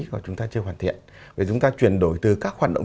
của chúng ta chưa hoàn thiện vì chúng ta chuyển đổi từ các hoạt động